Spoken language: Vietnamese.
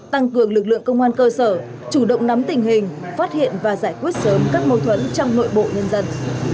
tăng cường lực lượng công an cơ sở chủ động nắm tình hình phát hiện và giải quyết sớm các mâu thuẫn trong nội bộ nhân dân